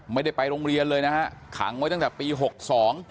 ไม่ได้ไปโรงเรียนเลยนะฮะขังไว้ตั้งแต่ปีหกสอง